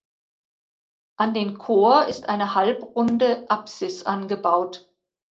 An den Chor ist eine halbrunde Apsis angebaut.